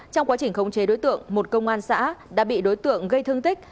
trong quá trình khống chế đối tượng một công an xã đã bị đối tượng gây thương tích